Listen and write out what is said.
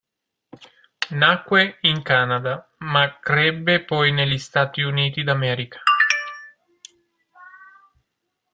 Nacque in Canada, ma crebbe poi negli Stati Uniti d'America.